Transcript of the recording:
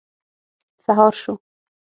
سهار شو.